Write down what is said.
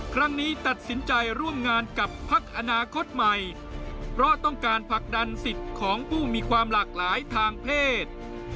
ครั้งนี้ตัดสินใจร่วมงานกับพักอนาคตใหม่เพราะต้องการผลักดันสิทธิ์ของผู้มีความหลากหลายทางเพศ